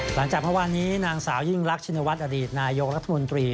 หลังจากเมื่อวานนี้นางสาวยิ่งรักชินวัฒนอดีตนายกรัฐมนตรี